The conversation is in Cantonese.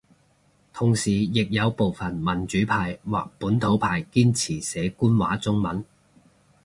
同時亦有部份民主派或本土派堅持寫官話中文